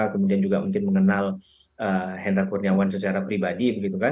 kemudian juga mungkin mengenal hendra kurniawan secara pribadi